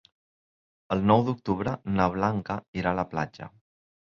El nou d'octubre na Blanca irà a la platja.